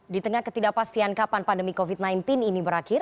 di tengah ketidakpastian kapan pandemi covid sembilan belas ini berakhir